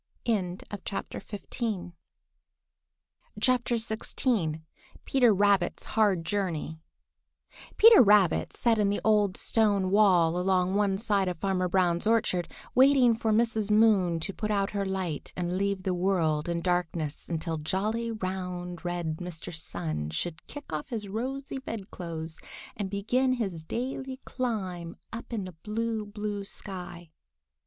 XVI PETER RABBIT'S HARD JOURNEY PETER RABBIT sat in the old stone wall along one side of Farmer Brown's orchard, waiting for Mrs. Moon to put out her light and leave the world in darkness until jolly, round, red Mr. Sun should kick off his rosy bedclothes and begin his daily climb up in the blue, blue sky.